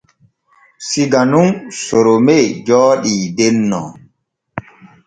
Siga nun Sorome jooɗii denno.